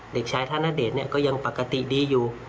เด็กชายธนเดชน์ก็ยังปกติดีอยู่